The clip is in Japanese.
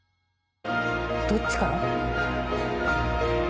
どっちから？